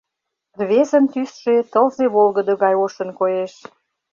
Рвезын тӱсшӧ тылзе волгыдо гай ошын коеш.